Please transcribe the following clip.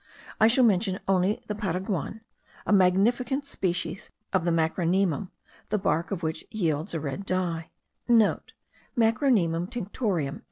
I shall mention only the paraguatan, a magnificent species of the macrocnemum, the bark of which yields a red dye;* (* Macrocnemum tinctorium.)